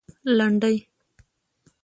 لنډۍ